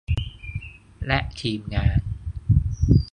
และทีมงาน